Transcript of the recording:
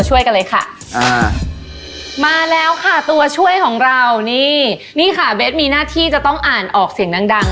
จะต้องให้เงินต้องเบสไปจากตลาดกี่บาท